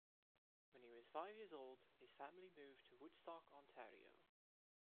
When he was five years old, his family moved to Woodstock, Ontario.